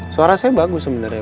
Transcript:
suara saya bagus sebenernya